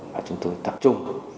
và chúng tôi tập trung